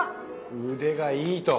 腕がいいと。